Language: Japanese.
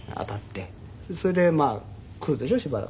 それでくるでしょしばらく。